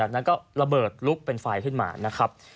นั้นก็ระเบิดลุกเป็นไฟขึ้นมานะครับ